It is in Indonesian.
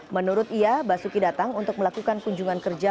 menurut ia basuki datang untuk melakukan kunjungan kerja